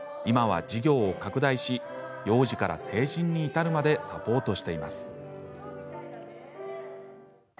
今は、事業を拡大し幼児から成人に至るまでサポートしています。